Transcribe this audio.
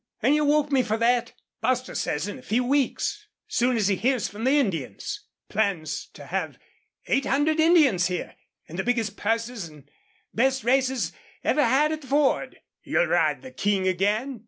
"Huh! An' you woke me for thet? ... Bostil says in a few weeks, soon as he hears from the Indians. Plans to have eight hundred Indians here, an' the biggest purses an' best races ever had at the Ford." "You'll ride the King again?"